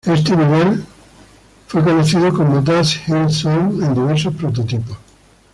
Éste nivel fue conocido como "Dust Hill Zone" en diversos prototipos.